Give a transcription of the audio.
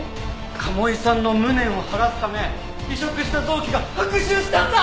賀茂井さんの無念を晴らすため移植した臓器が復讐したんだ！